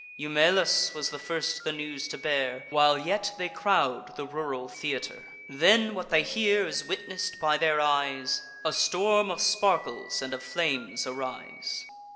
Eumelus was the first the news to bear, While yet they crowd the rural theatre. Then, what they hear, is witness'd by their eyes: A storm of sparkles and of flames arise.